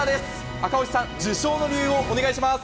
赤星さん、受賞の理由をお願いします。